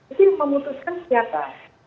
itu yang memutuskan siapa